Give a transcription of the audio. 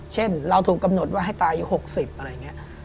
เช่นเราถูกกำหนดว่าให้ตายอยู่๖๐อะไรอย่างนี้